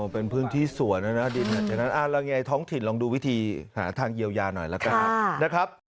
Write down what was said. เป็นพื้นที่สวนแล้วนะดินอย่างนั้นท้องถิ่นลองดูวิธีหาทางเยียวยาหน่อยนะครับ